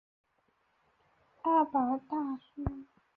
阿邦代苏。